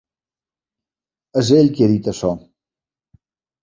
És ell qui ha dit això.